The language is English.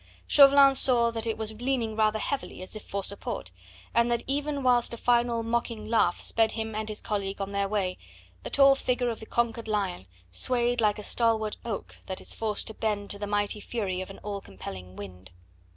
Chauvelin saw that it was leaning rather heavily, as if for support, and that even whilst a final mocking laugh sped him and his colleague on their way, the tall figure of the conquered lion swayed like a stalwart oak that is forced to bend to the mighty fury of an all compelling wind.